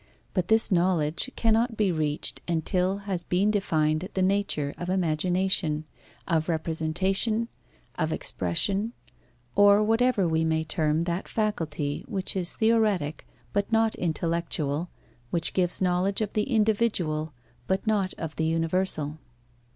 But this knowledge cannot be reached, until has been defined the nature of imagination, of representation, of expression, or whatever we may term that faculty which is theoretic, but not intellectual, which gives knowledge of the individual, but not of the universal.